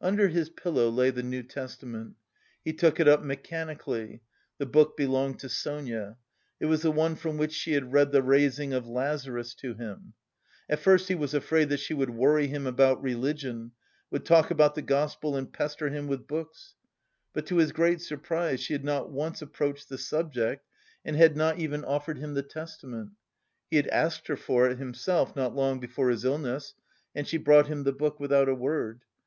Under his pillow lay the New Testament. He took it up mechanically. The book belonged to Sonia; it was the one from which she had read the raising of Lazarus to him. At first he was afraid that she would worry him about religion, would talk about the gospel and pester him with books. But to his great surprise she had not once approached the subject and had not even offered him the Testament. He had asked her for it himself not long before his illness and she brought him the book without a word.